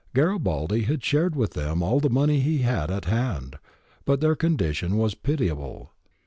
Garibaldi had shared with them all the money he had at hand, but their condi tion was pitiable.